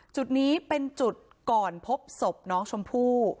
จุดนี้เป็นจุดก่อนพบศพน้องชมพู่